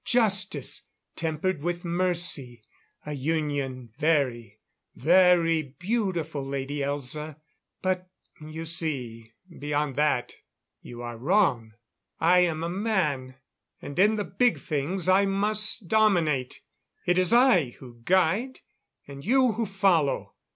Justice tempered with mercy. A union very, very beautiful, Lady Elza ... But, you see, beyond that you are wrong. I am a man, and in the big things I must dominate. It is I who guide, and you who follow.